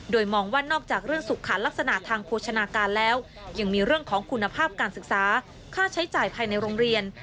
โดยมองว่านอกจากเรื่องสุขันลักษณะทางโภชนาการแล้วยังมีเรื่องของคุณภาพการศึกษาค่าใช้จ่ายภายในโรงเรียน